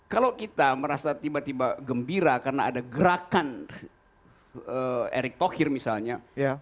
kalau kita merasa tiba tiba gembira karena ada gerakan erick thohir misalnya